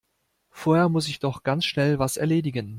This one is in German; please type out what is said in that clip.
Vorher muss ich noch ganz schnell was erledigen.